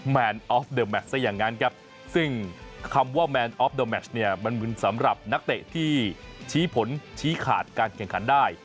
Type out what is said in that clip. มันเป็นสำหรับนักเตะที่ชี้ผลชี้ขาดการแข่งขันได้